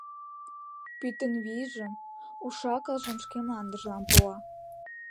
Пӱтынь вийжым, уш-акылжым шке мландыжлан пуа.